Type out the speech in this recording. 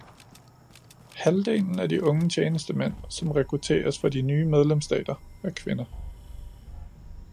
Halvdelen af de unge tjenestemænd, som rekrutteres fra de nye medlemsstater, er kvinder.